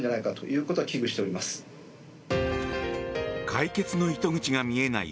解決の糸口が見えない